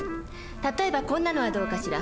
例えばこんなのはどうかしら。